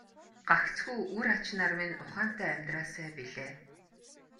Гагцхүү үр ач нар минь ухаантай амьдраасай билээ.